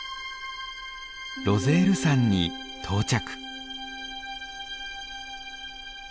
ロゼール山に到着。